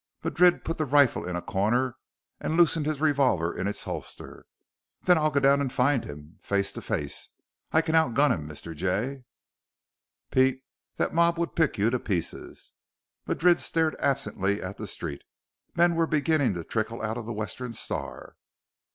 Madrid put the rifle into a corner and loosened his revolver in its holster. "Then I'll go down and find him. Face to face, I can out gun him, Mr. Jay." "Pete, that mob would pick you to pieces." Madrid stared absently at the street. Men were beginning to trickle out of the Western Star.